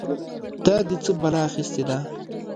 دا دې څه بلا اخيستې ده؟!